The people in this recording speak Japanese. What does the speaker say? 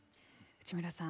内村さん